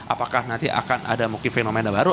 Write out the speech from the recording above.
apakah nanti akan ada mungkin fenomena baru